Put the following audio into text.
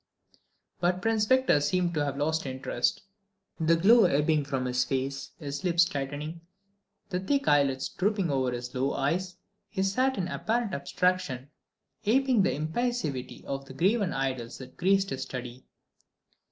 But Prince Victor seemed to have lost interest. The glow ebbing from his face, his lips tightening, the thick lids drooping low over his eyes, he sat in apparent abstraction, aping the impassivity of the graven idols that graced his study.